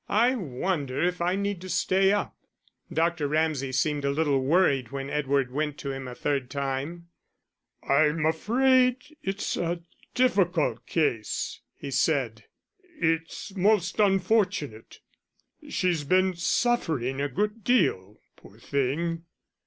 "I wonder if I need stay up?" Dr. Ramsay seemed a little worried when Edward went to him a third time. "I'm afraid it's a difficult case," he said. "It's most unfortunate. She's been suffering a good deal, poor thing."